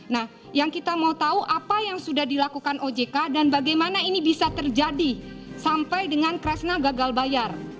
nah yang kita mau tahu apa yang sudah dilakukan ojk dan bagaimana ini bisa terjadi sampai dengan kresna gagal bayar